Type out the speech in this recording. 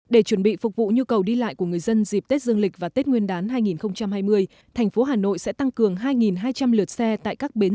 để chuẩn bị phục vụ nhu cầu đi lại của người dân dịp tết dương lịch và tết nguyên đán hai nghìn hai mươi thành phố hà nội sẽ tăng cường hai hai trăm linh lượt xe tại các bến xe